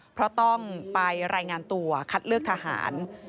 เพราะต้องไปรายงานตัวคัดเลือกทหาร